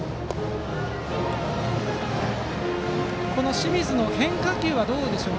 清水の変化球はどうでしょう。